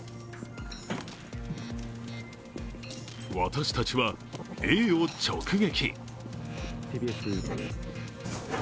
私たちは、Ａを直撃。